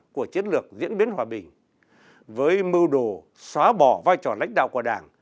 của chiến lược diễn biến hòa bình với mưu đồ xóa bỏ vai trò lãnh đạo của đảng